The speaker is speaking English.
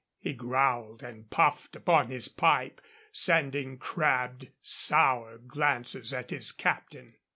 He growled, and puffed upon his pipe, sending crabbed, sour glances at his captain.